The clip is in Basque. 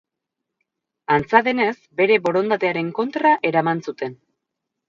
Antza denez, bere borondatearen kontra eraman zuten.